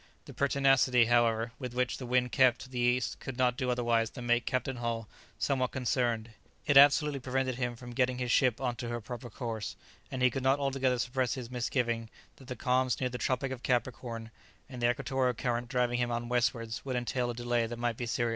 The pertinacity, however, with which the wind kept to the east could not do otherwise than make Captain Hull somewhat concerned; it absolutely prevented him from getting his ship into her proper course, and he could not altogether suppress his misgiving that the calms near the Tropic of Capricorn, and the equatorial current driving him on westwards, would entail a delay that might be serious.